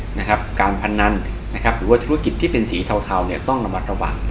สำหรับการพนันหรือว่าธุรกิจที่เป็นสีเทาต้องระบัดระหว่าง